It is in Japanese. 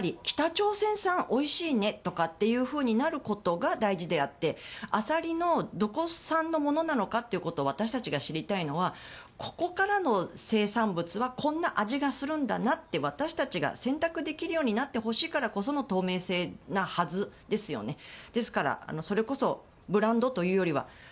つまり北朝鮮産おいしいねとかっていうふうになることが大事であってアサリのどこ産のものなのかということを私たちが知りたいのはここからの生産物はこんな味がするんだなって私たちが選択できるようになってほしいからこその透明性なはずですよね。